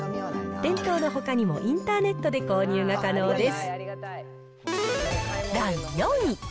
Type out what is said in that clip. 店頭のほかにも、インターネットで購入が可能です。